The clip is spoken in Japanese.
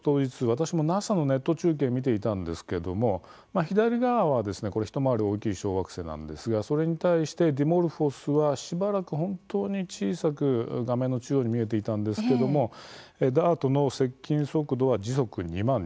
私もＮＡＳＡのネット中継を見ていたんですけれども左側は、一回り大きい小惑星なんですが、それに対してディモルフォスは、しばらく本当に小さく画面の中央に見えていたんですけどもＤＡＲＴの接近速度は時速２万２０００キロ。